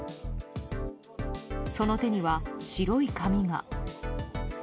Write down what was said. その手には白い紙が。